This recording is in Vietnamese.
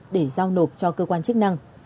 để giao nộp cho cơ quan chức năng